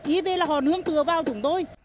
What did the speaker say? ý về là họ nướng cửa vào chúng tôi